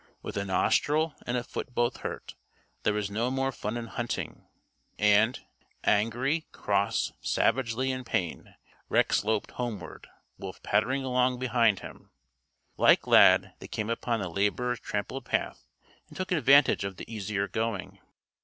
With a nostril and a foot both hurt, there was no more fun in hunting, and angry, cross, savagely in pain Rex loped homeward, Wolf pattering along behind him. Like Lad, they came upon the laborer's trampled path and took advantage of the easier going.